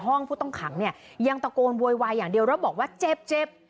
ห้องผู้ต้องขังเนี่ยยังตะโกนโวยวายอย่างเดียวแล้วบอกว่าเจ็บเจ็บ